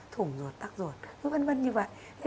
thủng ruột tắc ruột v v như vậy